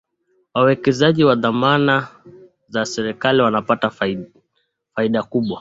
wawekezaji wa dhamana za serikali wanapata faida kubwa